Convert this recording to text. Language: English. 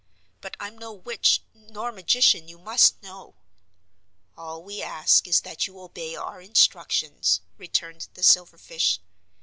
But I'm no witch, nor magician, you must know." "All we ask is that you obey our instructions," returned the silverfish.